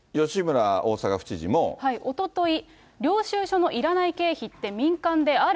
おととい、領収書のいらない経費って、民間である？